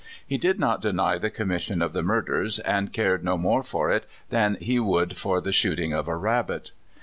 He did not deny the commission of the murders, and cared no more for it than he would for the shoot ing of a rabbit.